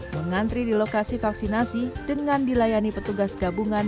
mengantri di lokasi vaksinasi dengan dilayani petugas gabungan